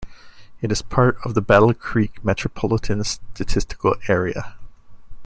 It is part of the Battle Creek Metropolitan Statistical Area.